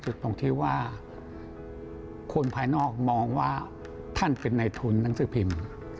ตรงที่ว่าคนภายนอกมองว่าท่านเป็นในทุนหนังสือพิมพ์